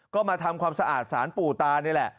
ก็มาทำความสะอาดสารปู่ตานี่แหละ